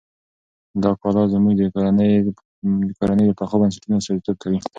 دا کلا زموږ د کورنۍ د پخو بنسټونو استازیتوب کوي.